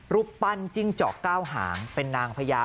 รูปปั้นจิ้งเจาะเก้าหางเป็นนางพญา